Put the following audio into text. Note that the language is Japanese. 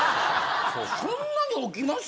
そんなに起きます？